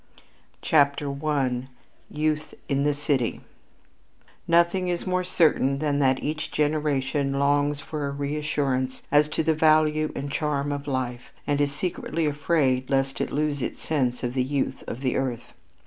CHAPTER I YOUTH IN THE CITY Nothing is more certain than that each generation longs for a reassurance as to the value and charm of life, and is secretly afraid lest it lose its sense of the youth of the earth.